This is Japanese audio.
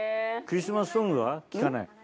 クリスマスソングは聴かないの？